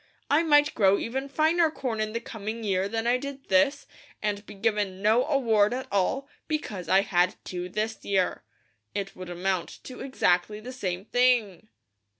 I might grow even finer corn in the coming year than I did this, and be given no award at all, because I had two this year. It would amount to exactly the same thing."